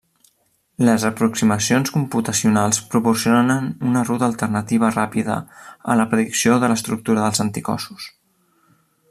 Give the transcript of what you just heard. Les aproximacions computacionals proporcionen una ruta alternativa ràpida a la predicció de l'estructura dels anticossos.